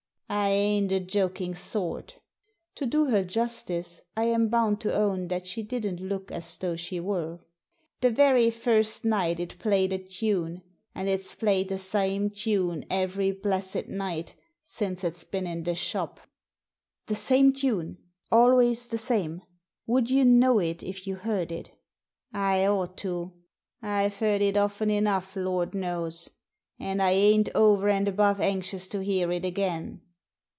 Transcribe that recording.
I ain't a joking sort" (To do her justice, I am bound to own that she didn't look as though she were.) "The very first night it played a tune, and it's played the same tune every blessed night since it's been in the shop." "The same tune — always the same? Would you know it if you heard it?" "I ought to. I've heard it often enough, Lord knows ; and I ain't over and above anxious to hear it again."